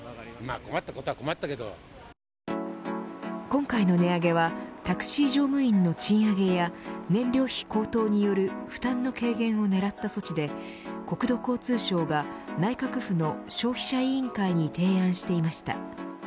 今回の値上げはタクシー乗務員の賃上げや燃料費高騰による負担の軽減を狙った措置で国土交通省が内閣府の消費者委員会に提案していました。